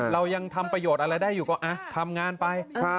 เรายังทำประโยชน์อะไรได้อยู่ก็ทำงานไป